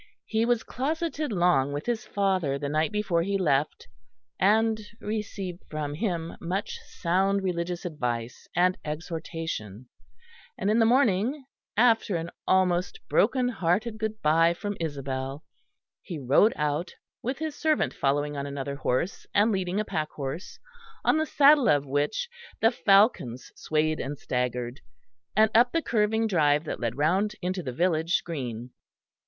He was closeted long with his father the night before he left, and received from him much sound religious advice and exhortation; and in the morning, after an almost broken hearted good bye from Isabel, he rode out with his servant following on another horse and leading a packhorse on the saddle of which the falcons swayed and staggered, and up the curving drive that led round into the village green.